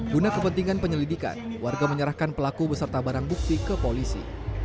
guna kepentingan penyelidikan warga menyerahkan pelaku beserta barang bukti ke polisi